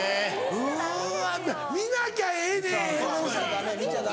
うわ見なきゃええねん。